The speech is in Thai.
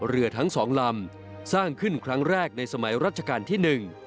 เรือทั้งสองลำสร้างขึ้นครั้งแรกในสมัยรัชกาลที่หนึ่ง